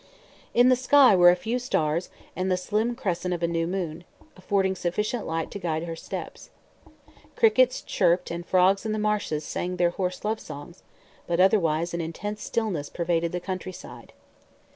In the sky were a few stars and the slim crescent of a new moon, affording sufficient light to guide her steps. Crickets chirped and frogs in the marshes sang their hoarse love songs, but otherwise an intense stillness pervaded the countryside.